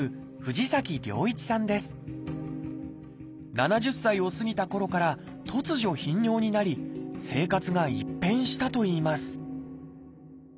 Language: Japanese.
７０歳を過ぎたころから突如頻尿になり生活が一変したといいます